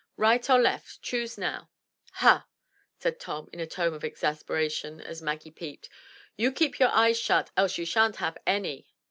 Right or left, — choose now. Ha!" said Tom in a tone of exasperation as Maggie peeped. "You keep your eyes shut else you sha'n't have any."